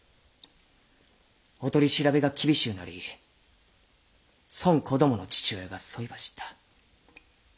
お取り調べが厳しうなりそん子供の父親がそいば知った。